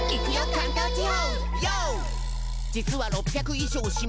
関東地方！」